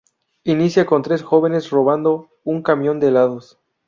Inicia con tres jóvenes robando un camión de helados.